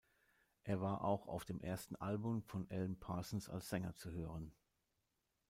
Er war auch auf dem ersten Album von Alan Parsons als Sänger zu hören.